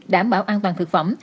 đảm bảo an toàn thực phẩm